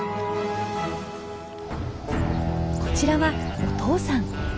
こちらはお父さん。